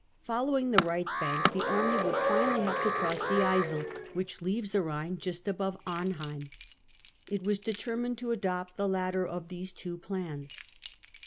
Following the right bank, the army would finally have to cross the Yssel, which leaves the Rhine just above Arnheim. It was determined to adopt the latter of these two plans.